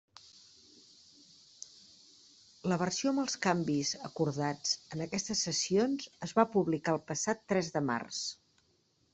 La versió amb els canvis acordats en aquestes sessions es va publicar el passat tres de març.